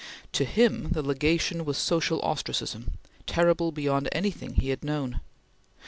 To him, the Legation was social ostracism, terrible beyond anything he had known.